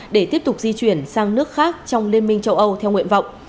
để tiếp tục di chuyển sang nước khác trong liên minh châu âu theo nguyện vọng